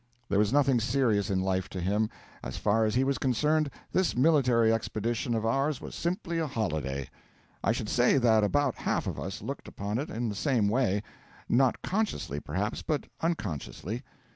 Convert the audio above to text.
There was nothing serious in life to him. As far as he was concerned, this military expedition of ours was simply a holiday. I should say that about half of us looked upon it in the same way; not consciously, perhaps, but unconsciously.